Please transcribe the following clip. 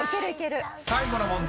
［最後の問題